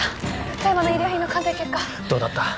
富山の遺留品の鑑定結果どうだった？